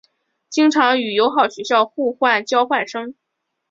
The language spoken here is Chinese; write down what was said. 经常与友好学校互换交换生。